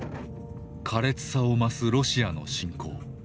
苛烈さを増すロシアの侵攻。